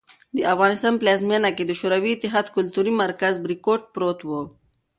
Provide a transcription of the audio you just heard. د افغانستان پلازمېنه کابل کې د شوروي اتحاد کلتوري مرکز "بریکوټ" پروت و.